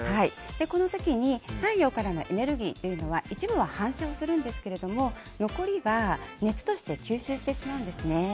この時に太陽からのエネルギーというのは一部は反射するんですが残りは熱として吸収してしまうんですね。